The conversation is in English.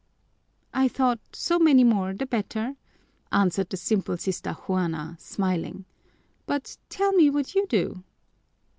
"I thought, so many more the better," answered the simple Sister Juana, smiling. "But tell me what you do."